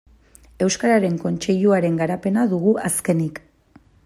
Euskararen Kontseiluaren garapena dugu azkenik.